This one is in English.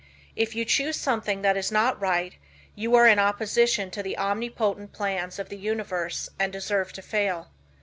If you choose something that is not right, you are in opposition to the omnipotent plans of the universe and deserve to fail.